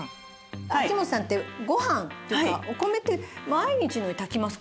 秋本さんってご飯とかお米って毎日のように炊きますか？